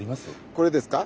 これですか？